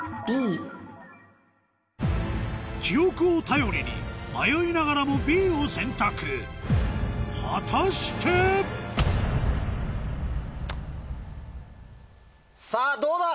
記憶を頼りに迷いながらもＢを選択果たして⁉さぁどうだ？